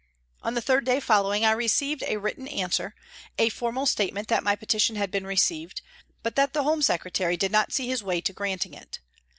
On the third day following I received a written answer, a formal statement that my petition had been received, but that the Home Secretary did not see his way to granting it.